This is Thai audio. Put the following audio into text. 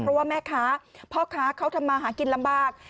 เพราะว่าแม่ค้าพ่อค้าเขาทำมาหากินลำบาก